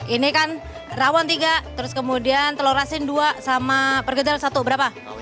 ini kan rawon tiga terus kemudian telur asin dua sama pergedel satu berapa